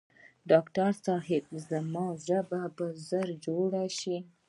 ډاکټر صاحب زه به ژر جوړ شم؟